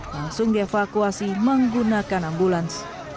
langsung dievakuasi menggunakan ambulans